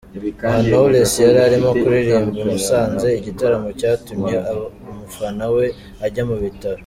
Aha Knowless yari arimo kuririmba i Musanze, igitaramo cyatumye umufana we ajya mu bitaro.